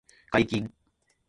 解禁